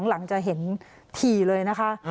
หลังจะเห็นถี่เลยนะคะ